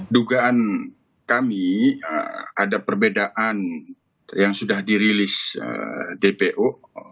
dugaan kami ada perbedaan yang sudah dirilis dpo